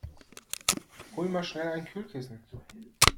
Hol mal schnell ein Kühlkissen!